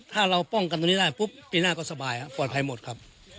ถ้าเราป้องกันตรงนี้ได้ปุ๊บปีหน้าก็สบายครับปลอดภัยหมดครับ